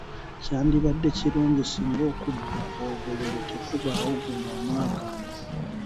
Kyandibadde kirungi singa okubba obululu tekubaawo guno omwaka .